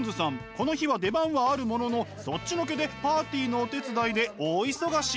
この日は出番はあるもののそっちのけでパーティーのお手伝いで大忙し。